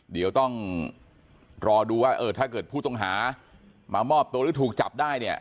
เดี๋ยวต้องรอดูว่าเออถ้าเกิดผู้ต้องหามามอบตัวหรือถูกจับได้เนี่ย